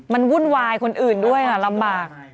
มันวุ่นวายคนอื่นด้วยลำบาก